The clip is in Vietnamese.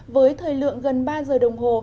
với thời lượng gần ba giờ đồng hồ